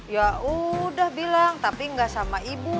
ya udah bilang tapi gak sama ibu